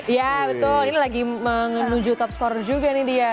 iya betul ini lagi menuju top score juga nih dia